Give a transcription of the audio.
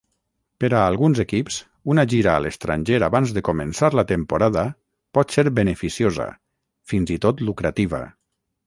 Per a alguns equips, una gira a l'estranger abans de començar la temporada pot ser beneficiosa, fins i tot lucrativa.